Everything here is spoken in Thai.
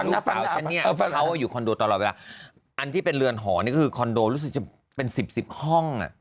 อันนี้เขาอยู่คอนโดตลอดเวลาอันที่เป็นเรือนหอนี่คือคอนโดรู้สึกจะเป็นสิบสิบห้อง